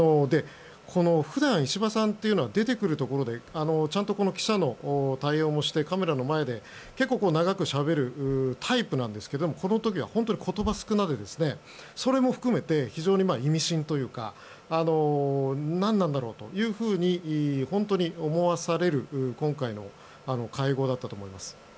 普段、石破さんというのは出てくるところでちゃんと記者の対応もしてカメラの前で結構長くしゃべるタイプなんですけどこの時は本当に言葉少なでそれも含めて非常に意味深というか何なんだろう？と思わされる今回の会合だったと思います。